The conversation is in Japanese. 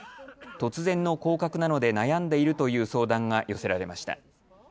突然の降格なので悩んでいるという相談が寄せられました。